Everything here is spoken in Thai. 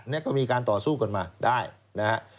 นี่ก็มีการต่อสู้กันมาได้นะฮะ